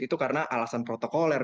itu karena alasan protokoler